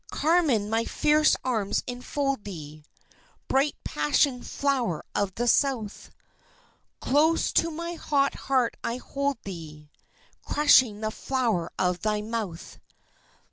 Carmen, my fierce arms enfold thee, Bright passion flower of the South, Close to my hot heart I hold thee, Crushing the flower of thy mouth.